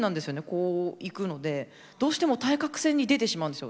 こういくのでどうしても対角線に出てしまうんですよ。